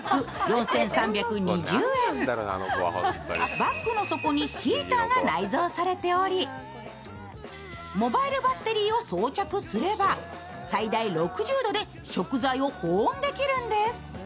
バッグの底にヒーターが内蔵されており、モバイルバッテリーを装着すれば最大６０度で食材を保温できるんです。